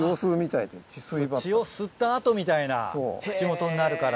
血を吸った後みたいな口元になるから。